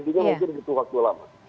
juga mungkin butuh waktu lama